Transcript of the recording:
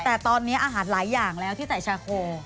แต่ตอนนี้อาหารหลายอย่างแล้วที่ใส่ชาโค